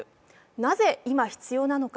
なぜ今必要なのか